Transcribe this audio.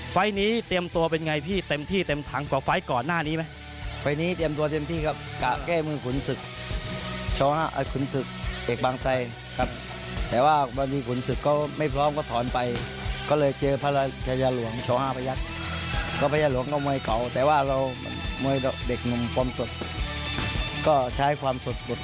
ไฟร์ดรีนี้เตรียมตัวเป็นไงพี่เต็มที่เต็มทางกว่าไฟร์ดรีก่อนหน้านี้ไหม